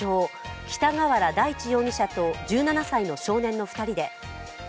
北河原大地容疑者と１７歳の少年２人です。